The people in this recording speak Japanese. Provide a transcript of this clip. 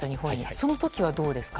その時は、どうですか？